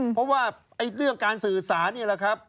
เพราะว่าเรื่องการสื่อสารนี่แหละครับ